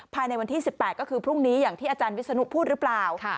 ภายในวันที่๑๘ก็คือพรุ่งนี้อย่างที่อาจารย์วิศนุพูดหรือเปล่า